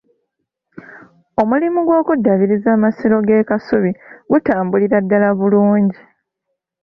Omulimu gw’okuddaabiriza amasiro g'e Kasubi gutambulira ddala bulungi.